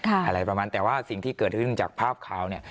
อะไรประมาณแต่ว่าสิ่งที่เกิดขึ้นจากภาพข่าวเนี่ย